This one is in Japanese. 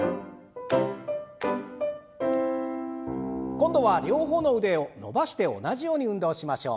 今度は両方の腕を伸ばして同じように運動をしましょう。